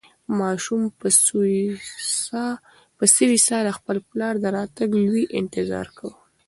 ماشوم په سوې ساه د خپل پلار د راتګ لوی انتظار کاوه.